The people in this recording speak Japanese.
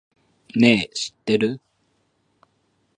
ねぇ、知ってる？